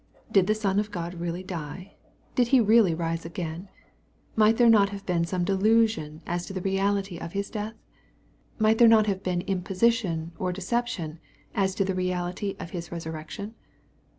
— Did the Son of God really die ? Did he really rise again ? Might there not have been some delusion as to the reality MATTHEW, OHAP. XXVn. 899 of His death ? Might there not have been imposition or deception, as to the reality of His resurrection